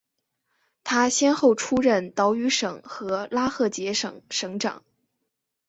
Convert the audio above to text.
他先后出任岛屿省和拉赫杰省省长。